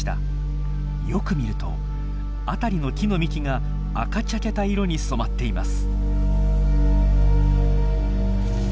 よく見ると辺りの木の幹が赤茶けた色に染まっています。